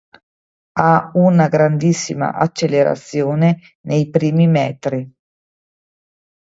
Ha una grandissima accelerazione nei primi metri.